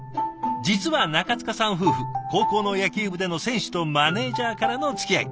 実は中塚さん夫婦高校の野球部での選手とマネージャーからのつきあい。